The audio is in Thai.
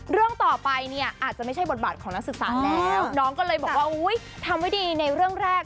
เรื่องต่อไปเนี่ยอาจจะไม่ใช่บทบาทของนักศึกษาแล้วน้องก็เลยบอกว่าทำไว้ดีในเรื่องแรก